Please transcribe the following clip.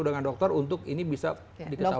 dengan dokter untuk ini bisa diketahui